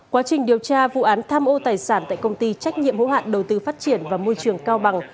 quá trình điều tra vụ án tham ô tài sản tại công ty trách nhiệm hữu hạn đầu tư phát triển và môi trường cao bằng